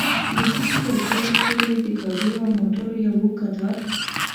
د سیند تر پله پورې د ګاډیو او موټرو یو اوږد کتار.